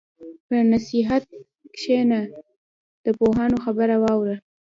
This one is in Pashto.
په نصیحت کښېنه، د پوهانو خبره واوره.